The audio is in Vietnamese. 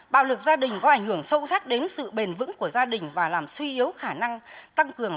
bạo lực gia đình có ảnh hưởng sâu sắc đến sự bền vững của gia đình và làm suy yếu khả năng tăng cường